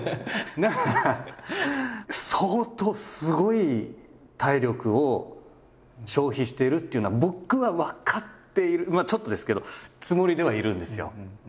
だから相当すごい体力を消費しているっていうのは僕は分かっているちょっとですけどつもりではいるんですよ。